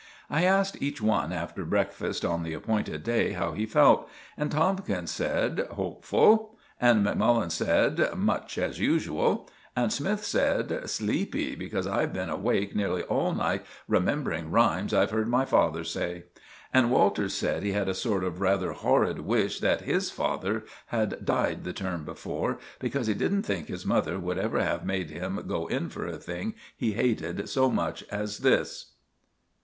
I asked each one after breakfast on the appointed day how he felt; and Tomkins said, "Hopeful"; and Macmullen said, "Much as usual"; and Smythe said, "Sleepy, because I've been awake nearly all night remembering rhymes I've heard my father say"; and Walters said he had a sort of rather horrid wish that his father had died the term before, because he didn't think his mother would ever have made him go in for a thing he hated so much as this.